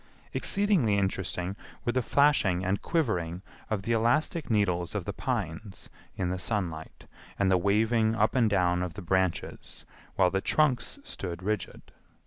Exceedingly interesting were the flashing and quivering of the elastic needles of the pines in the sunlight and the waving up and down of the branches while the trunks stood rigid.